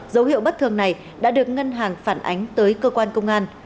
dấu hiệu bất thường này đã được ngân hàng phản ánh tới cơ quan công an